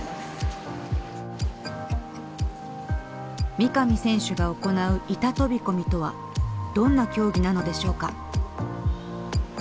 三上選手が行う板飛び込みとはどんな競技なのでしょうか。